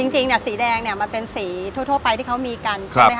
จริงเนี่ยสีแดงเนี่ยมันเป็นสีทั่วไปที่เค้ามีกัน